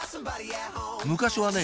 昔はね